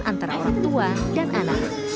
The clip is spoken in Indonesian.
antara orang tua dan anak